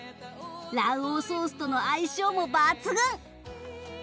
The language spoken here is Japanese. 卵黄ソースとの相性も抜群！